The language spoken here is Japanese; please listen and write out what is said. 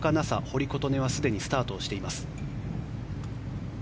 紗、堀琴音はすでにスタートをしています。